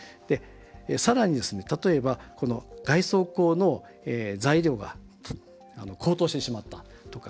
さらに例えば外装工の材料が高騰してしまったとか。